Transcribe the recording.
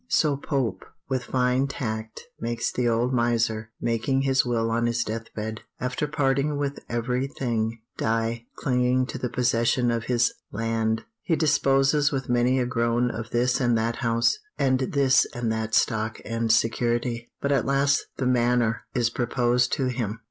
So Pope, with fine tact, makes the old miser, making his will on his death bed, after parting with every thing, die, clinging to the possession of his land. He disposes with many a groan of this and that house, and this and that stock and security; but at last the manor is proposed to him.